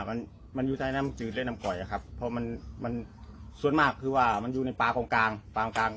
มันมันอยู่ใต้น้ำจืดและน้ำก่อยอะครับเพราะมันมันส่วนมากคือว่ามันอยู่ในปลาของกลางปางกลาง